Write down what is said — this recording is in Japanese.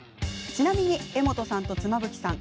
ちなみに柄本さんと妻夫木さん